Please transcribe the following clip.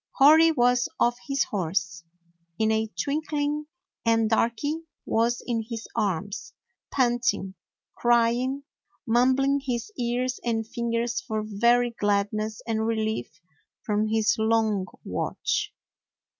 Hori was off his horse in a twinkling, and Darky was in his arms, panting, crying, mum bling his ears and fingers for very gladness and relief from his long watch.